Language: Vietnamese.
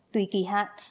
tùy kỳ hạn